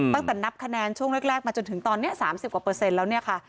ตั้งแต่นับคะแนนช่วงแรกมาจนถึงตอนนี้๓๐กว่าเปอร์เซ็นต์แล้วเนี่ยค่ะ